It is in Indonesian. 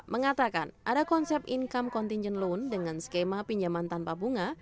mengatakan ada konsep income contingent loan dengan skema pinjaman tanpa bunga